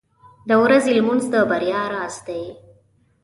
• د ورځې لمونځ د بریا راز دی.